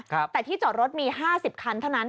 ครับแต่ที่จอดรถมีห้าสิบคันเท่านั้น